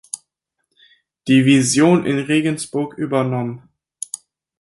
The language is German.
Division in Regensburg übernommen.